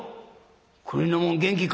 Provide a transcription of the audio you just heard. くにのもん元気か？」。